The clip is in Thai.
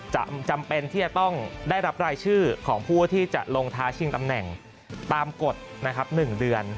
จำเป็นที่จะต้องได้รับรายชื่อของผู้ที่จะลงท้าชิงตำแหน่งตามกฎนะครับ๑เดือน